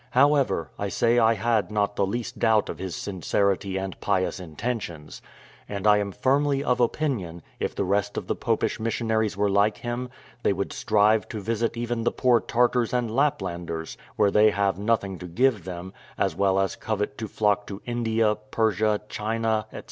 However, I say I had not the least doubt of his sincerity and pious intentions; and I am firmly of opinion, if the rest of the Popish missionaries were like him, they would strive to visit even the poor Tartars and Laplanders, where they have nothing to give them, as well as covet to flock to India, Persia, China, &c.